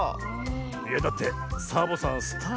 いやだってサボさんスターだぜ。